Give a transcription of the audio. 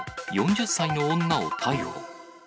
４０歳の女を逮捕。